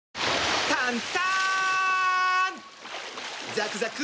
ザクザク！